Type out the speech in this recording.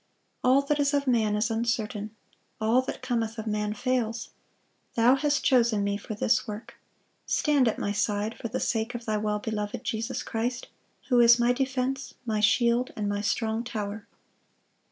All that is of man is uncertain; all that cometh of man fails.... Thou hast chosen me for this work.... Stand at my side, for the sake of Thy well beloved Jesus Christ, who is my defense, my shield, and my strong tower."